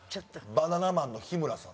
バナナマンの日村さん。